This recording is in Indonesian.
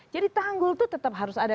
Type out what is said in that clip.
jadi tanggul itu tetap harus ada